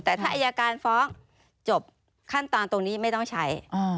แต่ถ้าอายการฟ้องจบขั้นตอนตรงนี้ไม่ต้องใช้